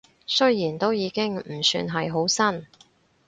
雖然都已經唔算係好新